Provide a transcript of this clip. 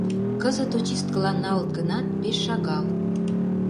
Кызыт очисткылан налыт гынат, пеш шагал.